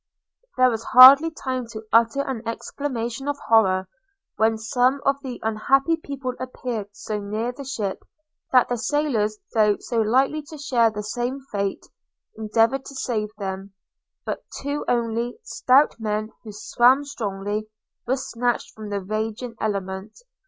– There was hardly time to utter an exclamation of horror, when some of the unhappy people appeared so near the ship, that the sailors, though so likely to share the same fate, endeavoured to save them; but two only, stout men who swam strongly, were snatched from the raging element.